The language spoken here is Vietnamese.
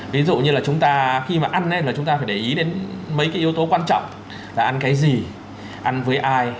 ví dụ như là chúng ta khi mà ăn lên là chúng ta phải để ý đến mấy cái yếu tố quan trọng là ăn cái gì ăn với ai